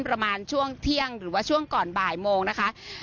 ประมาณช่วงเที่ยงหรือว่าช่วงก่อนบ่ายโมงนะคะ